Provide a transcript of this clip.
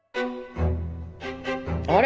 あれ？